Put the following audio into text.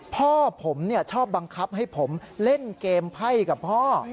พ่อผมชอบบังคับให้ผมเล่นเกมไพ่กับพ่อ